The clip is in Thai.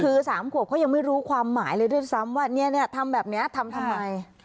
คือ๓ขวบเขายังไม่รู้ความหมายเลยด้วยซ้ำว่าทำแบบนี้ทำทำไม